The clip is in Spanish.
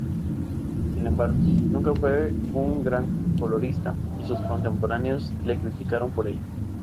Sin embargo, nunca fue un gran colorista, y sus contemporáneos le criticaron por ello.